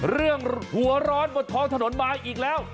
เรื่องหัวร้อนบนท้องถนนมาอีกแล้ว